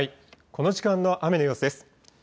この時間の雨の様子です。